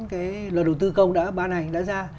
cái luật đầu tư công đã ban hành đã ra